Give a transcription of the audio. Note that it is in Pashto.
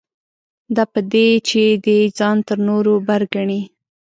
دا په دې چې دی ځان تر نورو بر ګڼي.